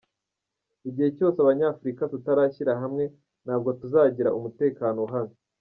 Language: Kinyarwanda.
Igihe cyose abanyafurika tutarashyira hamwe ntabwo tuzagira umutekano uhamye.